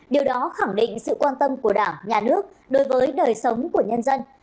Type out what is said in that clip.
điều đó khẳng định sự quan tâm của đảng nhà nước đối với đời sống của nhân dân